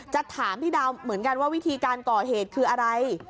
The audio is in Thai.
จะถามพี่ดาวเหมือนกันว่าวิธีการก่อเหตุคืออะไร